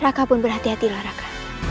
raka pun berhati hatilah raka